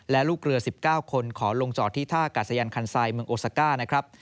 และลูกเรือ๑๙คนขอลงจอดที่ท่ากาศยานคันไซดเมืองโอซาก้านะครับ